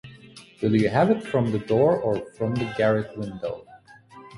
Will you have it from the door or from the garret window?